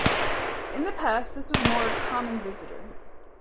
In the past, this was a more common visitor.